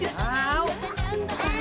eh mbak pak